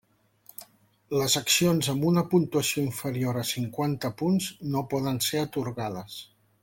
Les accions amb una puntuació inferior a cinquanta punts no poden ser atorgades.